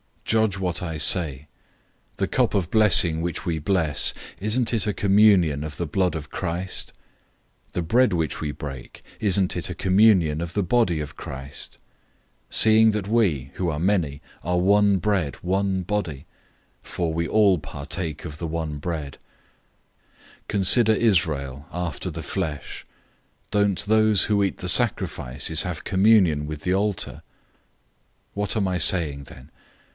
Judge what I say. 010:016 The cup of blessing which we bless, isn't it a communion of the blood of Christ? The bread which we break, isn't it a communion of the body of Christ? 010:017 Because there is one loaf of bread, we, who are many, are one body; for we all partake of the one loaf of bread. 010:018 Consider Israel according to the flesh. Don't those who eat the sacrifices have communion with the altar? 010:019 What am I saying then?